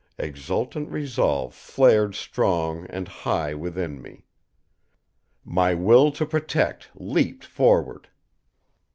Exultant resolve flared strong and high within me. My will to protect leaped forward.